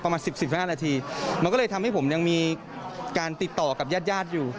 มันก็เลยทำให้ผมยังมีการติดต่อกับญาติอยู่